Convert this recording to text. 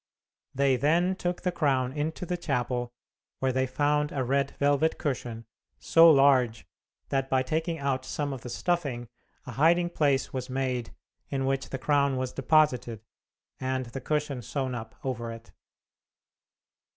They then took the crown into the chapel, where they found a red velvet cushion, so large that by taking out some of the stuffing a hiding place was made in which the crown was deposited, and the cushion sewn up over it.